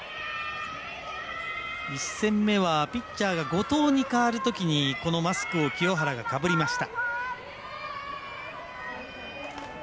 １戦目はピッチャーが後藤に代わるときにこのマスクを清原がかぶりました。